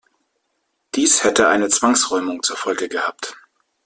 Dies hätte eine Zwangsräumung zur Folge gehabt.